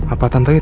apa tante itu